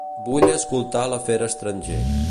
Vull escoltar l'afer estranger.